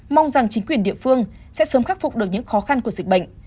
mong rằng chính quyền địa phương sẽ sớm khắc phục được những khó khăn của dịch bệnh